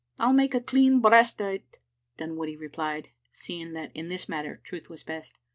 "I'll make a clean breast o't," Dunwoodie replied, seeing that in this matter truth was best.